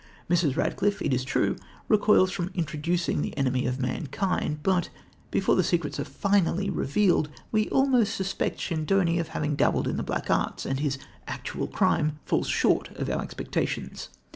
Mrs. Radcliffe, it is true, recoils from introducing the enemy of mankind, but, before the secrets are finally revealed, we almost suspect Schedoni of having dabbled in the Black Arts, and his actual crime falls short of our expectations.